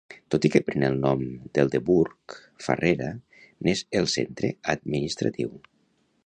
Tot i que pren el nom del de Burg, Farrera n'és el centre administratiu.